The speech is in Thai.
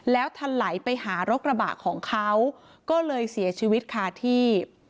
แล้วทะไหลไปหารกระบะของเขาก็เลยเสียชีวิตคาที่